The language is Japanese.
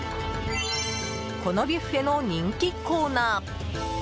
このビュッフェの人気コーナー。